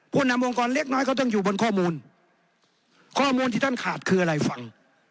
นำองค์กรเล็กน้อยก็ต้องอยู่บนข้อมูลข้อมูลที่ท่านขาดคืออะไรฟัง